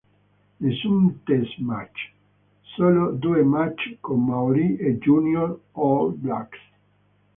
Nessun test match, solo due match con Maori e Junior All Blacks.